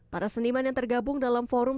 para seniman yang tergabung dalam forum